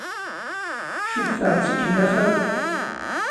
Cukkteɣ d tikellax akk.